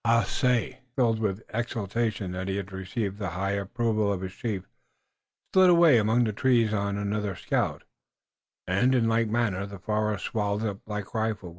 Haace, filled with exultation that he had received the high approval of his chief, slid away among the trees on another scout, and, in like manner, the forest swallowed up Black Rifle.